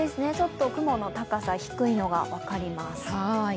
雲の高さ、低いのが分かります。